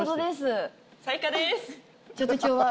ちょっと今日は。